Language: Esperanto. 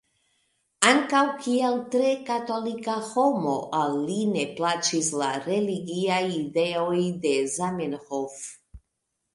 Ankaŭ kiel tre katolika homo, al li ne plaĉis la religiaj ideoj de Zamenhof.